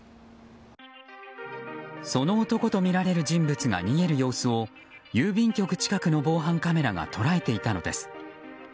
その男とみられる人物が逃げる様子を郵便局近くの防犯カメラが捉えていたのです。